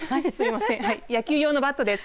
野球用のバットです。